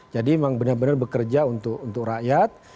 jadi memang benar benar bekerja untuk rakyat